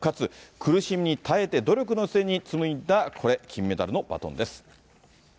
苦しみに耐えて努力の末につないだ金メダルのバトンです。